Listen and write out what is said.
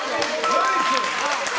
ナイス！